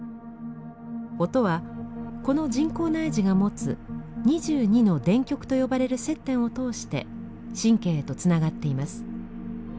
音はこの人工内耳が持つ２２の電極と呼ばれる接点を通して神経へとつながっています。